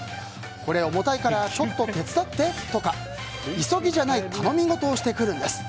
これ重たいからちょっと手伝ってとか急ぎじゃない頼みごとをしてくるんです。